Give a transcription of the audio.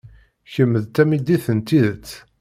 Kemm d tamidit n tidet.